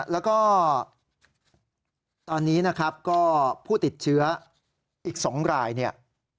แล้วก็ตอนนี้นะครับก็ผู้ติดเชื้ออีก๒รายเนี่ย